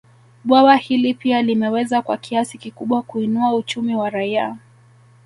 Bwawa hili pia limeweza kwa kiasi kikubwa kuinua uchumi wa raia